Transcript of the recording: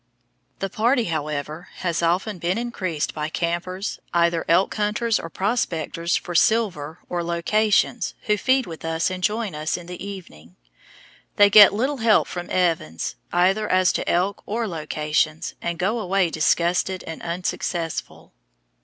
The party, however, has often been increased by "campers," either elk hunters or "prospectors" for silver or locations, who feed with us and join us in the evening. They get little help from Evans, either as to elk or locations, and go away disgusted and unsuccessful.